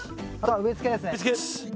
植えつけです。